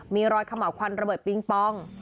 มีรอยขม่าวควันระเบิดปิงปอง